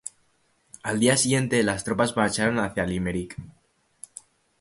Al día siguiente, las tropas marcharon hacia Limerick.